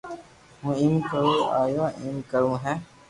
ھون ايم ڪرو ابا ايم ڪروي ھي